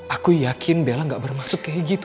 aku yakin bella tidak bermaksud seperti itu